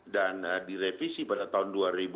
dan direvisi pada tahun dua ribu delapan belas